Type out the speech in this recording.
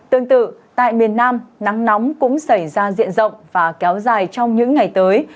tương tự tại miền nam nắng nóng cũng xảy ra diện rộng và kéo dài trong những ngày tới